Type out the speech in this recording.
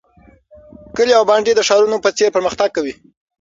کلي او بانډې د ښارونو په څیر پرمختګ کوي.